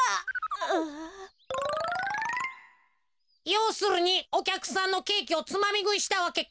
ようするにおきゃくさんのケーキをつまみぐいしたわけか。